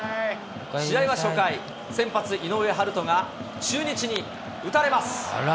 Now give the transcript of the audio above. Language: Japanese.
試合は初回、先発、井上温大が中日に打たれます。